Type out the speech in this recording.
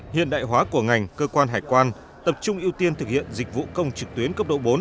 hiện đại hóa của ngành cơ quan hải quan tập trung ưu tiên thực hiện dịch vụ công trực tuyến cấp độ bốn